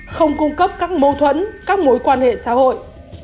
không cung cấp các mâu thuẫn các mối quan hệ xã hội